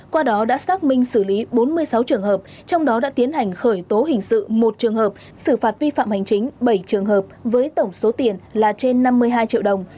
qua đó đã xác minh xử lý bốn mươi sáu trường hợp trong đó đã tiến hành khởi tố hình sự một trường hợp xử phạt vi phạm hành chính bảy trường hợp với tổng số tiền là trên năm mươi hai triệu đồng